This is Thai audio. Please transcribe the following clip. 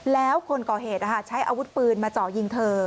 แล้วคนก่อเหตุใช้อาวุธปืนมาเจาะยิงเธอ